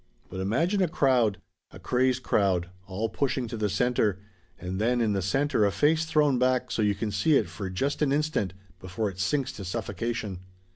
But imagine a crowd, a crazed crowd, all pushing to the center, and then in the center a face thrown back so you can see it for just an instant before it sinks to suffocation.